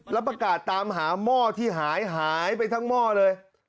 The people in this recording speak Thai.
แล้วประกาศตามหาหม้อที่หายหายไปทั้งหม้อเลย